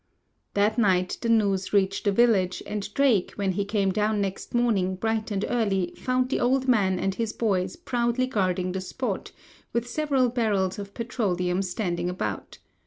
"That night the news reached the village, and Drake when he came down next morning bright and early found the old man and his boys proudly guarding the spot, with several barrels of petroleum standing about.